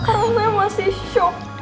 karena saya masih shock